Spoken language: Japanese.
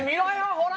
ほら！